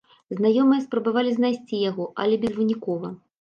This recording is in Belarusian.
Знаёмыя спрабавалі знайсці яго, але безвынікова.